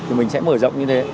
thì mình sẽ mở rộng như thế